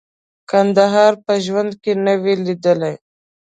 کندهار په ژوند کې نه وې لیدلي.